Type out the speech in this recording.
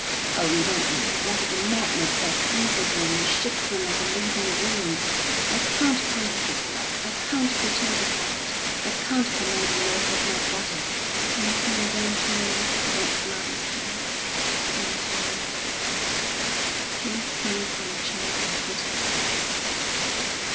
Oh, you don't know! Love is a madness that seizes one and shakes one like a leaf in the wind. I can't counterfeit love; I can't pretend to have it. I can't command the nerves of my body." "Do you think I don't know what love is, James? How little you know me." James sank on a chair and hid his face.